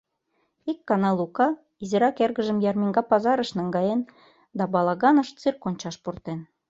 Ик гана Лука изирак эргыжым ярмиҥга пазарыш наҥгаен да балаганыш цирк ончаш пуртен.